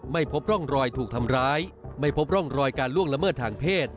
ไม่พบร่องรอยถูกทำร้ายไม่พบร่องรอยการล่วงละเมิดทางเพศ